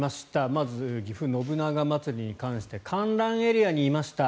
まず、ぎふ信長まつりに関して観覧エリアにいました。